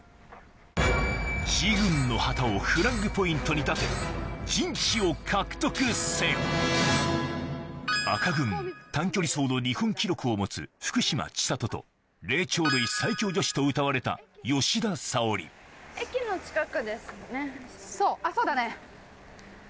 自軍の旗をフラッグポイントに立て陣地を獲得せよ赤軍短距離走の日本記録を持つ福島千里と霊長類最強女子とうたわれた吉田沙保里そうあっそうだね。